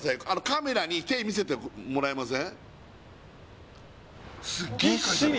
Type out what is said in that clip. カメラに手見せてもらえません？